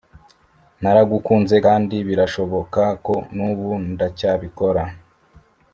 naragukunze, kandi birashoboka ko n'ubu ndacyabikora,